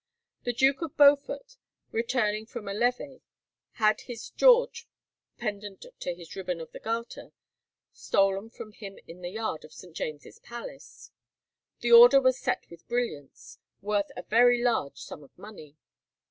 The Duke of Beaufort, returning from a levee, had his "George," pendant to his ribbon of the Garter, stolen from him in the yard of St. James's Palace. The order was set with brilliants, worth a very large sum of money.